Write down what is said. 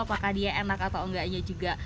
apakah dia enak atau enggaknya juga